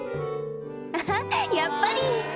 アハっやっぱり！